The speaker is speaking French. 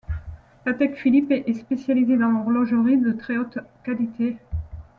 Patek Philippe est spécialisée dans l'horlogerie de très haute qualité.